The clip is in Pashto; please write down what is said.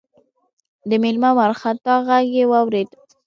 د مېلمه وارخطا غږ يې واورېد: